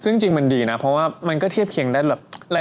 ซึ่งจริงมันดีนะเพราะว่ามันก็เทียบเคียงได้แบบ